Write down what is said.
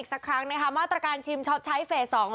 ค่ะไม่ให้จำไว้คุณผู้ชมฟัง